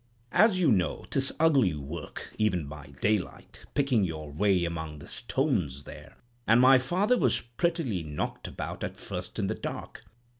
As you know, 'tis ugly work, even by daylight, picking your way among the stones there, and my father was prettily knocked about at first in the dark.